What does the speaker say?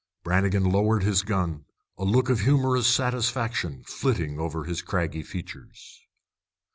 Brannigan lowered his gun, a look of humorous satisfaction flitting over his craggy features.